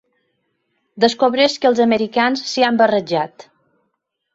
Descobreix que els americans s'hi han barrejat.